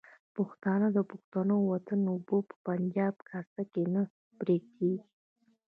پښتانه د پښتون وطن اوبه په پنجابي کاسه کې نه پرېږدي.